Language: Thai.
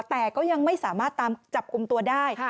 แต่ก็ยังไม่สามารถตามจับกลุ่มตัวได้